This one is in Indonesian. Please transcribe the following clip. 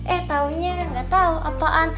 eh taunya nggak tahu apaan